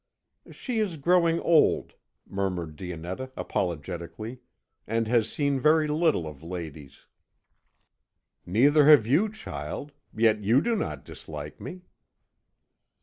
"She is growing old," murmured Dionetta apologetically, "and has seen very little of ladies." "Neither have you, child. Yet you do not dislike me."